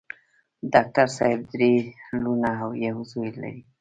ډاکټر صېب درې لوڼه او يو زوے لري